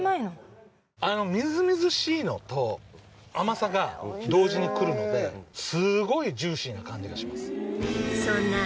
あのみずみずしいのと甘さが同時にくるのでスゴいジューシーな感じがします